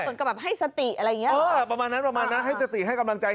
เหมือนกับให้สติอะไรอย่างเงี้ยประมาณนั้นให้สติให้กำลังใจ